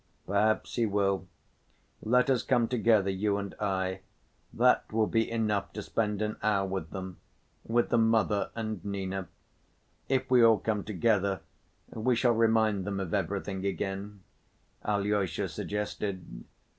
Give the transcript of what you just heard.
"Perhaps he will. Let us come together, you and I, that will be enough, to spend an hour with them, with the mother and Nina. If we all come together we shall remind them of everything again," Alyosha suggested.